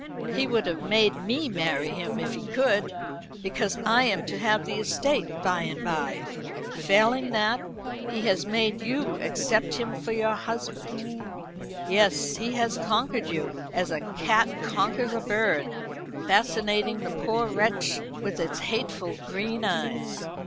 He would have made me marry him if he could, because I am to have the estate by and bye. Failing that, he has made you accept him for your husband. Yes, he has conquered you, as a cat conquers a bird, fascinating the poor wretch with its hateful green eyes.